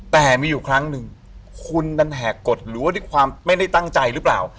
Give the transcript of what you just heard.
แต่มีอยู่ครั้งหนึ่งคุณดันแหกกฎหรือว่าด้วยความไม่ได้ตั้งใจหรือเปล่า